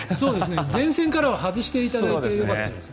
前線からは外していただいてよかったです。